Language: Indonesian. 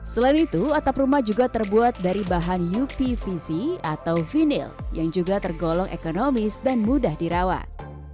selain itu atap rumah juga terbuat dari bahan upvc atau vinil yang juga tergolong ekonomis dan mudah dirawat